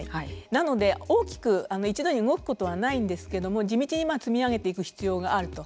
なので、大きく一度に動くことはないんですけども地道に積み上げていく必要があると。